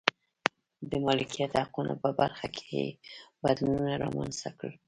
د مالکیت حقونو په برخه کې یې بدلونونه رامنځته کړل.